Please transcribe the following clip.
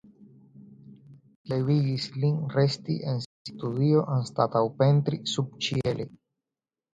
Tio devigis lin resti en sia studio anstataŭ pentri subĉiele.